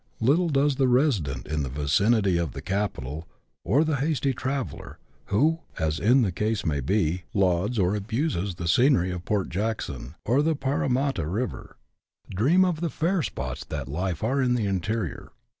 Little does the resident in the vicinity of the capital, or the hasty traveller, who, as the case may be, lauds or abuses the scenery of Port Jackson, or the Paramatta Kiver, dream of the fair spots that lie far in the interior.